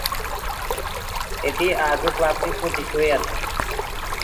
এটি আজও ক্লাবটির প্রতীক হয়ে আছে।